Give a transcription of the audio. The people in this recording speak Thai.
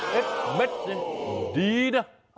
เห็ดเม็ดนี่ดีน่ะ